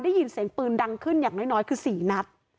ได้ยินเสียงปืนดังขึ้นอย่างน้อยคือ๔นัด